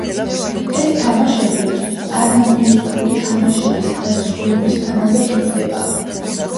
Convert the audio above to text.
ეს თამაშები პანამერიკული თამაშების დასრულებისთანავე იწყება.